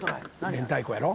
明太子やろ。